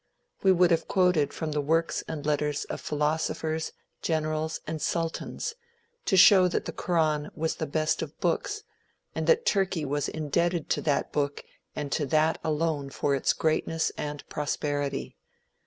We would have quoted from the works and letters of philosophers, generals and sultans, to show that the Koran was the best of books, and that Turkey was indebted to that book and to that alone for its greatness and prosperity.